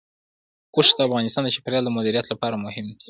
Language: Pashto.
اوښ د افغانستان د چاپیریال د مدیریت لپاره مهم دي.